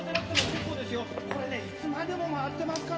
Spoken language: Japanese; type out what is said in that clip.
これねいつまでも回ってますから。